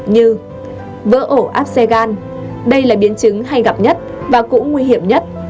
như vỡ ổ áp xe gan đây là biến chứng hay gặp nhất và cũng nguy hiểm nhất